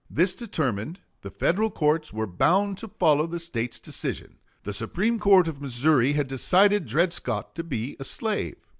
This determined, the Federal courts were bound to follow the State's decision. The Supreme Court of Missouri had decided Dred Scott to be a slave.